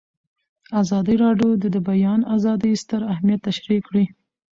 ازادي راډیو د د بیان آزادي ستر اهميت تشریح کړی.